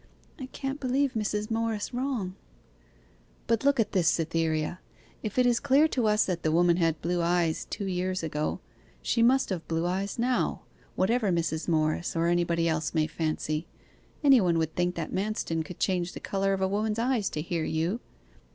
'I can't believe Mrs. Morris wrong.' 'But look at this, Cytherea. If it is clear to us that the woman had blue eyes two years ago, she must have blue eyes now, whatever Mrs. Morris or anybody else may fancy. Any one would think that Manston could change the colour of a woman's eyes to hear you.